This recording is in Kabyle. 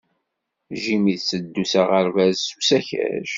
Jim itteddu s aɣerbaz s usakac.